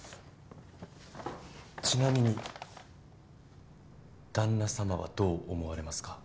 ちなみに旦那様はどう思われますか？